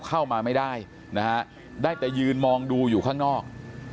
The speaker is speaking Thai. เข้ามาไม่ได้นะฮะได้แต่ยืนมองดูอยู่ข้างนอก